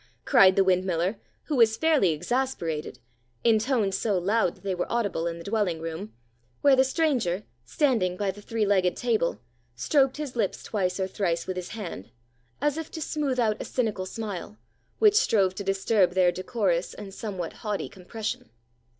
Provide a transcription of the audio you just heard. cried the windmiller, who was fairly exasperated, in tones so loud that they were audible in the dwelling room, where the stranger, standing by the three legged table, stroked his lips twice or thrice with his hand, as if to smooth out a cynical smile which strove to disturb their decorous and somewhat haughty compression.